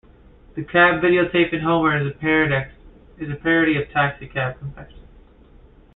The cab videotaping Homer is a parody of "Taxicab Confessions".